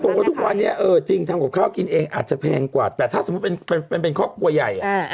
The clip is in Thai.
ครูเขาบอกว่าเออจริงทำกับข้าวเอาต่อเป็นข้อกลัวใหญ่